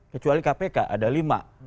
kecuali kpk ada lima